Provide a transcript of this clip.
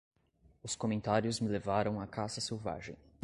Os comentários me levaram a caça selvagem.